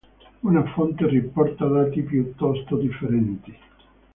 Una fonte riporta dati piuttosto differenti.